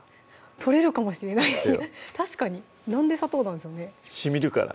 取れるかもしれない確かになんで砂糖なんでしょうねしみるから？